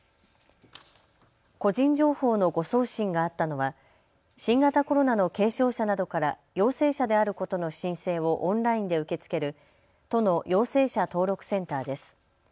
個人情報の誤送信があったのは新型コロナの軽症者などから陽性者であることの申請をオンラインで受け付ける都の陽性者登録センターです。